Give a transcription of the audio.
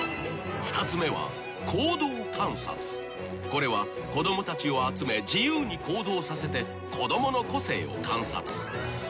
［これは子供たちを集め自由に行動させて子供の個性を観察］